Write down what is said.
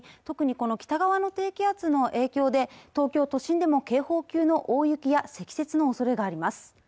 特にこの北側の低気圧の影響で東京都心でも警報級の大雪や積雪の恐れがあります